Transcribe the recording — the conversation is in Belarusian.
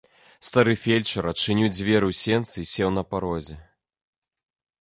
Стары фельчар адчыніў дзверы ў сенцы і сеў на парозе.